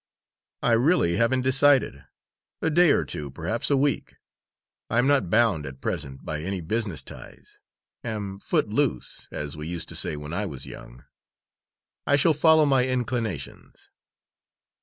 "I really haven't decided. A day or two, perhaps a week. I am not bound, at present, by any business ties am foot loose, as we used to say when I was young. I shall follow my inclinations."